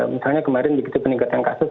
misalnya kemarin begitu peningkatan kasus